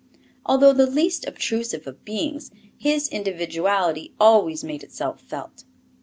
Although the least obtrusive of beings, his individuality always made itself felt.